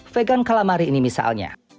vegan calamari ini misalnya